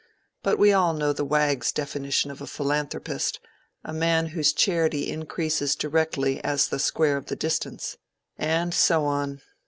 But we all know the wag's definition of a philanthropist: a man whose charity increases directly as the square of the distance._ And so on.